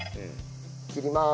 切ります。